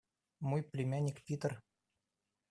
Мой племянник Питер.